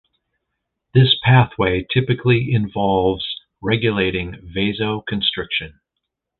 This pathway typically involves regulating vasoconstriction.